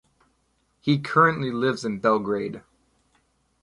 He currently lives in Belgrade.